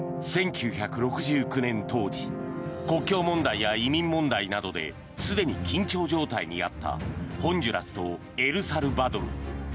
１９６９年当時国境問題や移民問題などですでに緊張状態にあったホンジュラスとエルサルバドル。